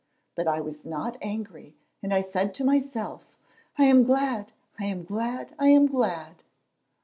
But I was not angry, and I said to myself, 'I am glad, I am glad, I am glad!'